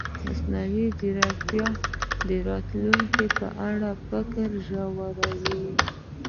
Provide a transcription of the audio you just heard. مصنوعي ځیرکتیا د راتلونکي په اړه فکر ژوروي.